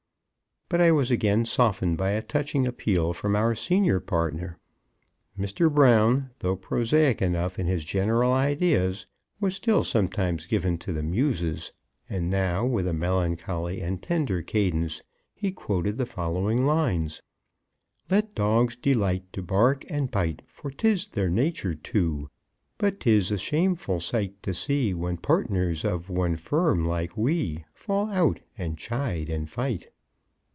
But I was again softened by a touching appeal from our senior partner. Mr. Brown, though prosaic enough in his general ideas, was still sometimes given to the Muses; and now, with a melancholy and tender cadence, he quoted the following lines; "Let dogs delight to bark and bite, For 'tis their nature to. But 'tis a shameful sight to see, when partners of one firm like we, Fall out, and chide, and fight!"